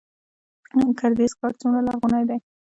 ګردیز ښار څومره لرغونی دی؟